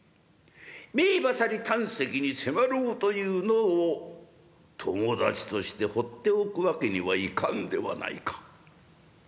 命まさに旦夕に迫ろうというのを友達として放っておくわけにはいかんではないか。